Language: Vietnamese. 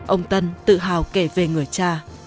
ông tân tự hào kể về người cha